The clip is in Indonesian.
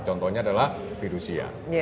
contohnya adalah fidusia